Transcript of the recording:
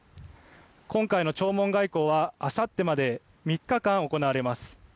今回の弔問外交はあさってまで３日間行われます。